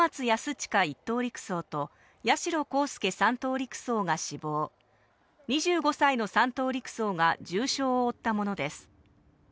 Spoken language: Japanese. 親１等陸曹と、八代航佑３等陸曹が死亡、２５歳の３等陸曹が重傷を負ったものです。